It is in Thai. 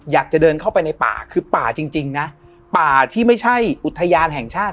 อยากจะเดินเข้าไปในป่าคือป่าจริงนะป่าที่ไม่ใช่อุทยานแห่งชาติ